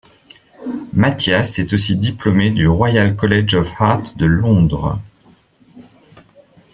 Mathias est aussi diplômé du Royal College of Art de Londres.